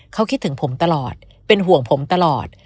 เขาคิดถึงผมตลอดเป็นห่วงผมตลอด